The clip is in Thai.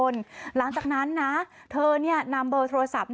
สวัสดีสวัสดีสวัสดีสวัสดี